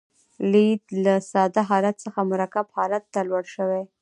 لید له ساده حالت څخه مرکب حالت ته لوړ شوی.